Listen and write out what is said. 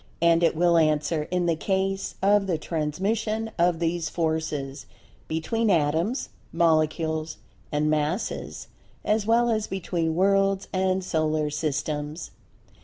And it will answer in the case of the transmission of these Forces between Atoms, Molecules, and Masses as well as between Worlds and Solar Systems.